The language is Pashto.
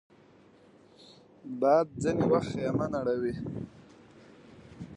باد ځینې وخت خېمه نړوي